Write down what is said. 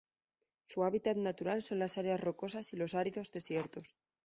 Su hábitat natural son las áreas rocosas y los áridos desiertos.